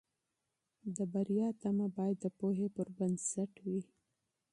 د بریا تمه باید د پوهې پر بنسټ وي.